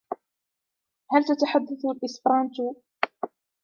هل تتحدث الإسبرانتو ؟